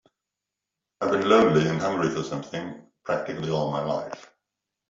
I've been lonely and hungry for something practically all my life.